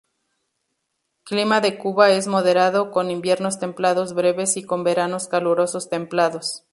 Clima de Quba es moderado, con inviernos templados breves y con veranos calurosos templados.